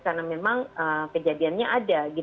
karena memang kejadiannya ada gitu ya